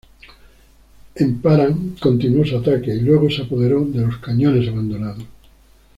Emparan continuó su ataque, y luego se apoderó de los cañones abandonados.